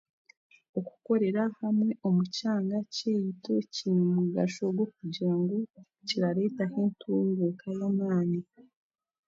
Okukorera hamwe omu kyanga kyaitu kiine omugasho gw'okugira ngu kirareetaho entunguuka y'amaani